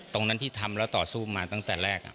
ตรงนั้นที่ทำแล้วต่อสู้มาตั้งแต่แรก